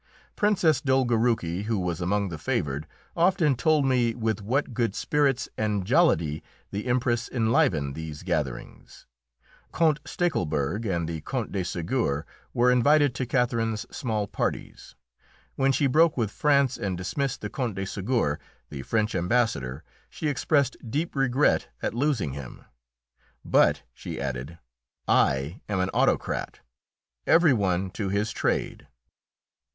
Princess Dolgoruki, who was among the favoured, often told me with what good spirits and jollity the Empress enlivened these gatherings. Count Stachelberg and the Count de Ségur were invited to Catherine's small parties. When she broke with France and dismissed the Count de Ségur, the French Ambassador, she expressed deep regret at losing him. "But," she added, "I am an autocrat. Every one to his trade."